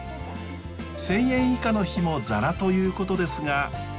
１，０００円以下の日もざらということですが。